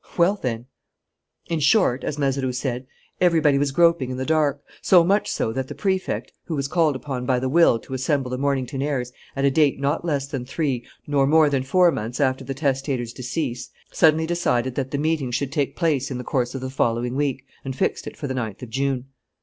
Well, then! In short, as Mazeroux said, everybody was groping in the dark, so much so that the Prefect, who was called upon by the will to assemble the Mornington heirs at a date not less than three nor more than four months after the testator's decease, suddenly decided that the meeting should take place in the course of the following week and fixed it for the ninth of June.